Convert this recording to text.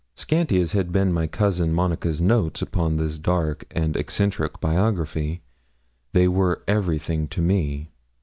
Scanty as had been my cousin Monica's notes upon this dark and eccentric biography, they were everything to me.